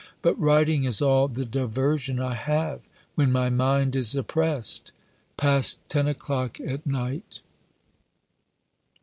But writing is all the diversion I have, when my mind is oppressed. PAST TEN O'CLOCK AT NIGHT.